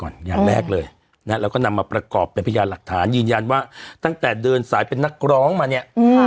อย่างแรกเลยนะฮะแล้วก็นำมาประกอบเป็นพยานหลักฐานยืนยันว่าตั้งแต่เดินสายเป็นนักร้องมาเนี่ย